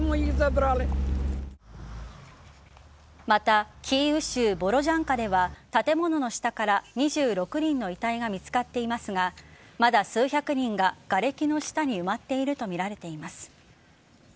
また、キーウ州ボロジャンカでは建物の下から２６人の遺体が見つかっていますがまだ数百人ががれきの下に埋まっているとみられています。